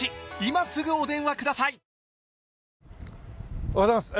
おはようございます。